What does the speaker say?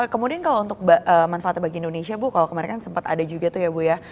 kemudian kalau untuk manfaatnya bagi indonesia bu kalau kemarin kan sempat ada juga tuh ya bu ya